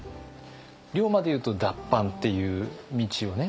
龍馬でいうと脱藩っていう道をね